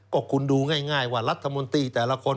ก็คุณดูง่ายว่ารัฐมนตรีแต่ละคน